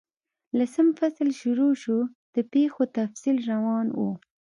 لسم فصل شروع شو، د پیښو تفصیل روان وو.